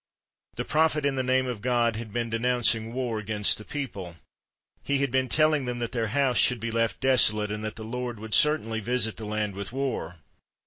The prophet, in the name of God, had been de nouncing war against the people; he had been telling them that their house should be left deso late, and that the Lord would certainly visit the land with war.